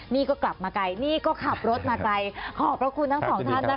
นี่ก็กลับมาไกลนี่ก็ขับรถมาไกลขอบพระคุณทั้งสองท่านนะคะ